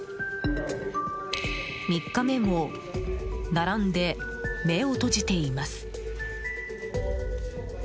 ３日目も並んで目を閉じています。